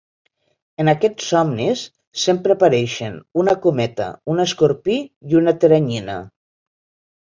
En aquests somnis sempre apareixen una cometa, un escorpí i una teranyina.